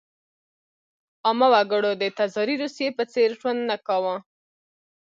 عامه وګړو د تزاري روسیې په څېر ژوند نه کاوه.